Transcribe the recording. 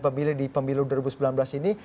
pemilih di pemilu dua ribu sembilan belas ini